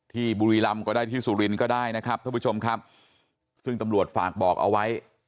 บุรีรำก็ได้ที่สุรินทร์ก็ได้นะครับท่านผู้ชมครับซึ่งตำรวจฝากบอกเอาไว้